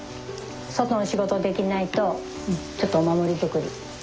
外の仕事できないとちょっとお守り作り。